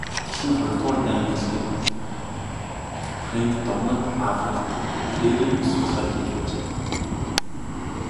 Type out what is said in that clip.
Дэлхийн хоёрдугаар дайн эхлэхэд Фрэнк дорнод Африкт хээрийн судалгаа хийж байжээ.